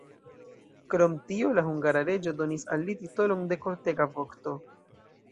Krom tio la hungara reĝo donis al li titolon de kortega vokto.